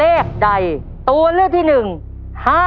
เลขบัตรประจำตัวประชาชนของยายไหมล่ะ